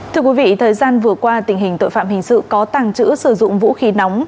thưa quý vị thời gian vừa qua tình hình tội phạm hình sự có tàng trữ sử dụng vũ khí nóng